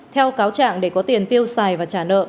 theo cáo trạng để có tiền tiêu xài và trả nợ